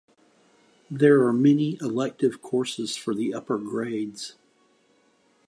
There are many elective courses for the upper grades.